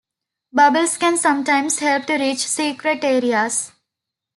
Bubbles can sometimes help to reach secret areas.